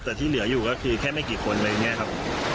แต่ที่เหลืออยู่ก็คือแค่ไม่กี่คนอะไรอย่างนี้ครับ